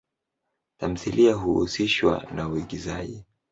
Tamthilia huhusishwa na uigizaji.